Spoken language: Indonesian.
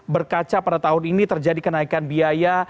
berkaca pada tahun ini terjadi kenaikan biaya